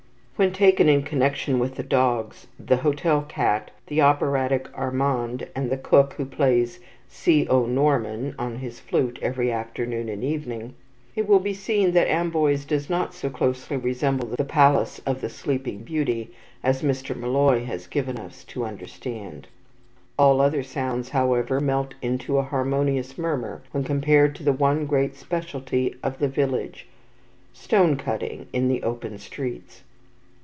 When taken in connection with the dogs, the hotel cat, the operatic Armand, and the cook who plays "See, O Norma!" on his flute every afternoon and evening, it will be seen that Amboise does not so closely resemble the palace of the Sleeping Beauty as Mr. Molloy has given us to understand. All other sounds, however, melt into a harmonious murmur when compared to the one great speciality of the village, stone cutting in the open streets.